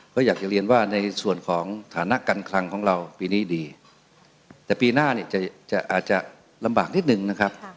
ก็อยากจะเรียนว่าในส่วนของฐานะการคลังของเราปีนี้ดีแต่ปีหน้าเนี่ยจะอาจจะลำบากนิดนึงนะครับ